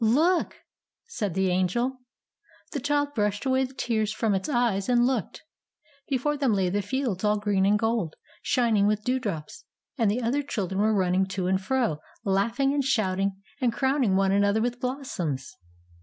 "Look!" said the Angel. The child brushed away the tears from its eyes and looked. Before them lay the fields all green and gold, shining with dewdrops, and the other children were running to and fro, laughing and shouting, and crowning one another with blossoms.